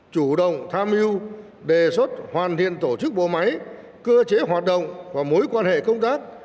chủ động tham mưu đề xuất hoàn thiện tổ chức bộ máy cơ chế hoạt động và mối quan hệ công tác